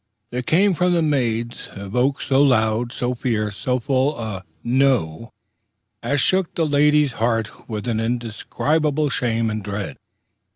there came from the maids invoked so loud, so fierce, so full a "No!" as shook the lady's heart with an indescribable shame and dread.